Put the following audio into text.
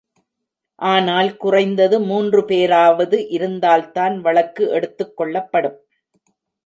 ஆனால் குறைந்தது மூன்று பேராவது இருந்தால்தான் வழக்கு எடுத்துக்கொள்ளப்படும்.